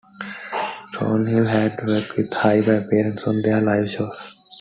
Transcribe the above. Thornhill had worked with Hyper, appearing on their live shows.